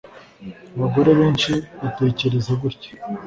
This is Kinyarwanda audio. abagore benshi batekereza gutya